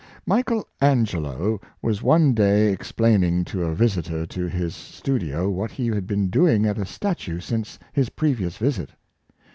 Michael Angelo was one day explaining to a visitor to his studio what he had been doing at a statue since his previous visit.